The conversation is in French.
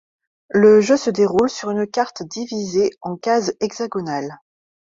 Le jeu se déroule sur une carte divisée en cases hexagonales.